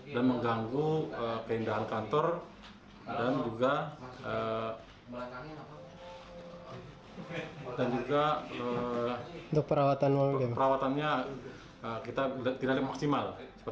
dan mengganggu keindahan kantor dan juga perawatannya kita tidak maksimal